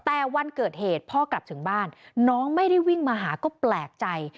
แต่วันเกิดเหตุพ่อกลับถึงบ้านน้องไม่ได้วิ่งมาหาก็แปลกใจ